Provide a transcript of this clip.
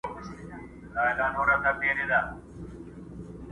خو بدلون ورو روان دی تل،